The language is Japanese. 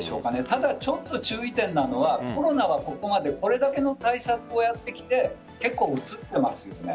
ただちょっと注意点なのは、コロナはここまでこれだけの対策をやってきて結構うつっていますよね。